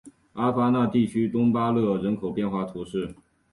阿戈讷地区东巴勒人口变化图示